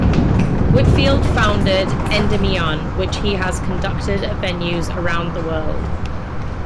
Whitfield founded Endymion, which he has conducted at venues around the world.